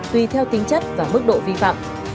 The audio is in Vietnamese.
tùy theo tính chất và mức độ vi phạm